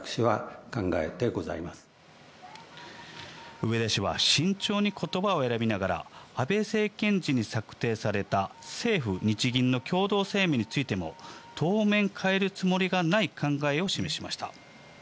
植田氏は慎重に言葉を選びながら安倍政権時に策定された政府・日銀の共同声明についても、当面、変えるつもりがない考えを示しました。